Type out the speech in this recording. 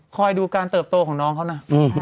คอยดูการเติบโตของน้องเขานะ